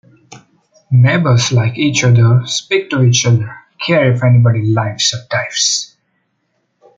Neighbors like each other, speak to each other, care if anybody lives or dies!